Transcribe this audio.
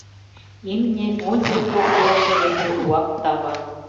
Имне ончыл кок йолжо дене тугак тава.